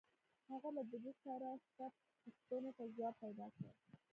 هغه له ده سره شته پوښتنو ته ځواب پیدا کړ